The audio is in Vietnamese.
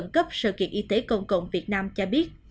cấp sự kiện y tế công cộng việt nam cho biết